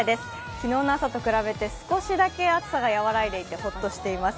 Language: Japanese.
昨日の朝と比べて、少しだけ暑さが和らいでいてほっとしています。